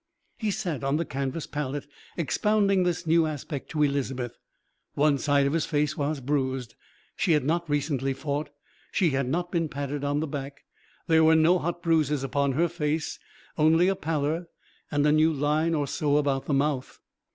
He sat on the canvas pallet expounding this new aspect to Elizabeth. One side of his face was bruised. She had not recently fought, she had not been patted on the back, there were no hot bruises upon her face, only a pallor and a new line or so about the mouth.